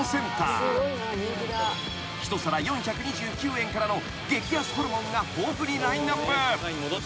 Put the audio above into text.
［１皿４２９円からの激安ホルモンが豊富にラインアップ］